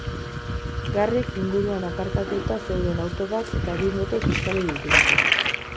Garrek inguruan aparkatuta zeuden auto bat eta bi moto kiskali dituzte.